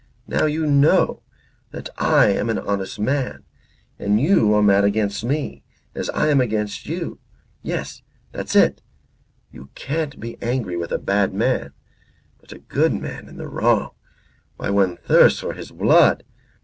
Now you know that I am an honest man, and you are mad against me, as I am against you. Yes, that's it. You can't be angry with bad men. But a good man in the wrong why one thirsts for his blood.